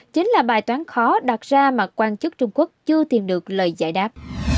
chính là bài toán khó đặt ra mà quan chức trung quốc chưa tìm được lời giải đáp